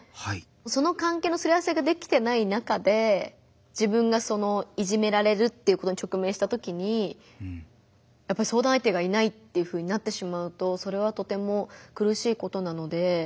その関係のすり合わせができてない中で自分がいじめられるっていうことに直面したときに相談相手がいないっていうふうになってしまうとそれはとても苦しいことなので。